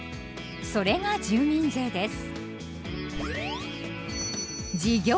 それが住民税です。